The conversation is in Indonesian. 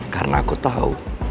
karena aku tau